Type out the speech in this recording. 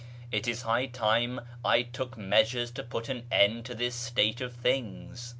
It is \\m\\ time I took measures to put an end to this state of things."